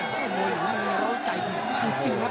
เยอะแบบเนี้ย